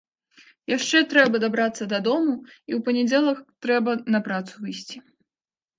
Яшчэ трэба дабрацца да дому і ў панядзелак трэба на працу выйсці.